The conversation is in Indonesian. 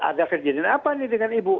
ada kejadian apa nih dengan ibu